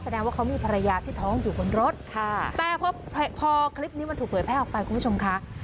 แสดงว่าเขามีภรรยาที่ท้องอยู่บนรถค่ะแต่พอพอคลิปนี้มันถูกเผยแพร่ออกไปคุณผู้ชมค่ะ